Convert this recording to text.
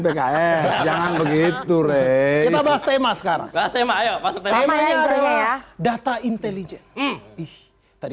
pks jangan begitu rey kita bahas tema sekarang bahas tema ayo masuknya data intelligence tadi